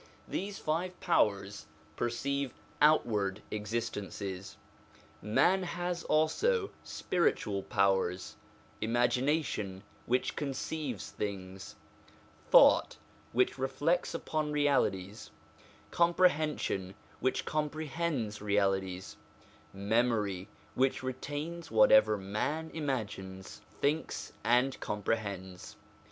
These five powers perceive outward existences. Man has also spiritual powers: imagination, which conceives things ; thought, which reflects upon realities; comprehension, which comprehends realities ; memory, which retains whatever man imagines, thinks, and comprehends.